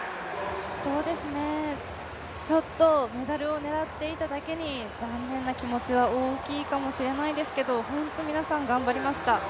ちょっとメダルを狙っていただけに残念は気持ちは大きいかもしれないですけど、本当に皆さん頑張りました。